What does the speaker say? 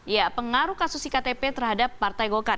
ya pengaruh kasus iktp terhadap partai golkar